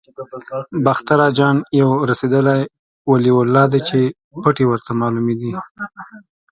باختر اجان یو رسېدلی ولي الله دی چې پټې ورته معلومې دي.